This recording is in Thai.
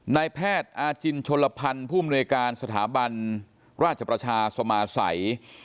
นายแพทย์อาจินชนลพันธ์ผู้มนวยการสถาบันราชประชาสมาสัย